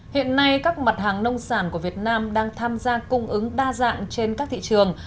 hiện nay các mặt hàng nông sản của việt nam đang tham gia cung ứng đa dạng trên các thị trường